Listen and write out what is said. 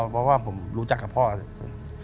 เพราะว่าผมรู้จักกับพ่อเฉย